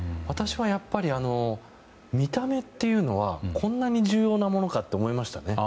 私は見た目というのはこんなに重要なものかと思いました。